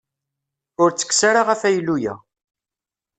Ur ttekkes ara afaylu-ya.